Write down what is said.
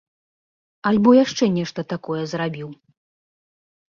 Альбо яшчэ нешта такое зрабіў.